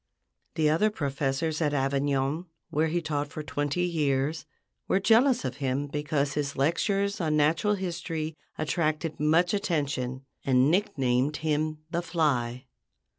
The other professors at Avignon, where he taught for twenty years, were jealous of him because his lectures on natural history attracted much attention, and nicknamed him "the Fly."